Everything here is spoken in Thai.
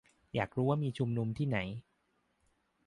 อยากรู้ว่ามีชุมนุมที่ไหน